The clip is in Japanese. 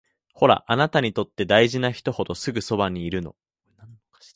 ほら、あなたにとって大事な人ほどすぐそばにいるの